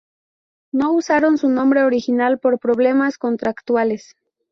No usaron su nombre original por problemas contractuales.